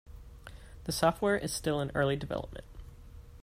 The software is still in early development.